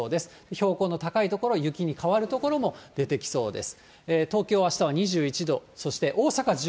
標高の高い所、雪に変わる所も出てきそうです。